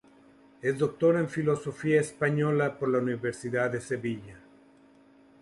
Es doctor en filología española por la Universidad de Sevilla.